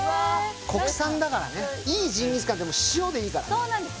国産だからねいいジンギスカン塩でいいからそうなんです